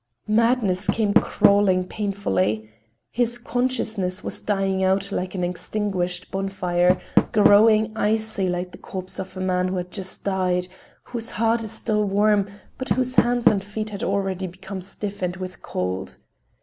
Madness came crawling painfully. His consciousness was dying out like an extinguishing bonfire, growing icy like the corpse of a man who had just died, whose heart is still warm but whose hands and feet had already become stiffened with cold.